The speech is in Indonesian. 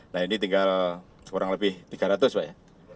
nah ini tinggal kurang lebih tiga ratus pak ya